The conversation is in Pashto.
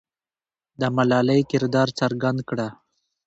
د ملالۍ کردار څرګند کړه.